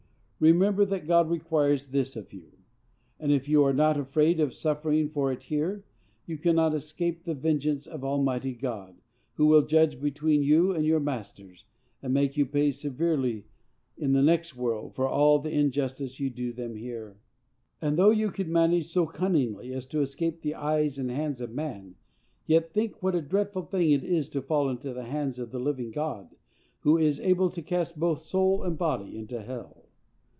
_Remember that God requires this of you; and, if you are not afraid of suffering for it here, you cannot escape the vengeance of Almighty God, who will judge between you and your masters, and make you pay severely in the next world for all the injustice you do them here._ And though you could manage so cunningly as to escape the eyes and hands of man, yet think what a dreadful thing it is to fall into the hands of the living God, who is able to cast both soul and body into hell!